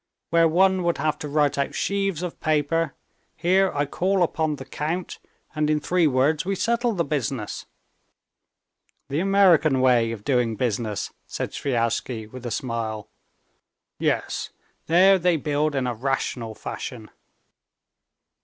Where one would have to write out sheaves of papers, here I call upon the count, and in three words we settle the business." "The American way of doing business," said Sviazhsky, with a smile. "Yes, there they build in a rational fashion...."